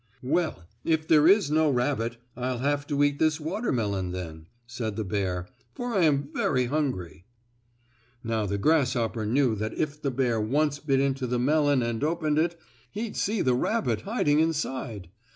"Well, if there is no rabbit I'll have to eat this watermelon, then," said the bear, "for I am very hungry." Now the grasshopper knew that if the bear once bit into the melon and opened it, he'd see the rabbit hiding inside.